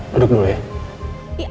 duduk dulu ya